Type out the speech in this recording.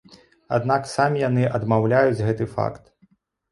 Аднак самі яны адмаўляюць гэты факт.